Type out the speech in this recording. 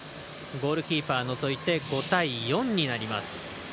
ゴールキーパー除いて５対４になります。